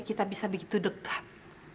kita bisa begitu dekat